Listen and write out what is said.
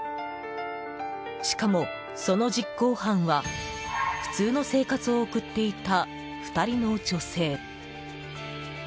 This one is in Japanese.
しかも、その実行犯は普通の生活を送っていた２人の女性。